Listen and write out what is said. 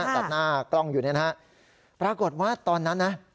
ตัดหน้ากล้องอยู่เนี่ยนะฮะปรากฏว่าตอนนั้นนะ